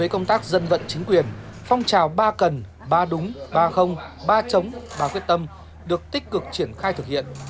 các dân vận chính quyền phong trào ba cần ba đúng ba không ba chống ba quyết tâm được tích cực triển khai thực hiện